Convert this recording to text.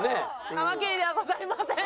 カマキリではございません。